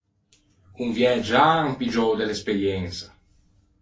Con viægiâ an piggiou de l’espeiensa.